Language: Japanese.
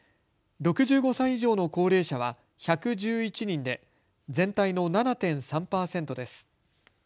６５歳以上の高齢者は１１１人で全体の７．３％です。